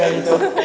ya saya setuju